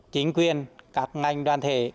chính quyền các ngành đoàn thể